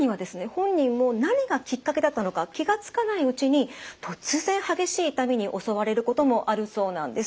本人も何がきっかけだったのか気が付かないうちに突然激しい痛みに襲われることもあるそうなんです。